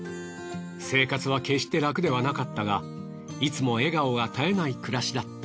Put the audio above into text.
生活は決してラクではなかったがいつも笑顔が絶えない暮らしだった。